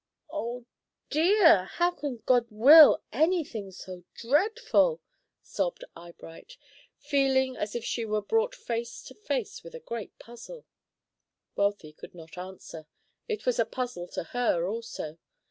"Oh, dear! how can God will any thing so dreadful?" sobbed Eyebright, feeling as if she were brought face to face with a great puzzle. Wealthy could not answer. It was a puzzle to her, also.